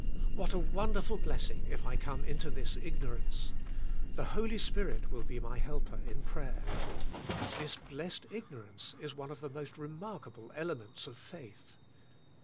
What a wonderful blessing if I come into this ignorance. The Holy Spirit will be my helper in prayer. This blessed ignorance is one of the most remarkable elements of faith.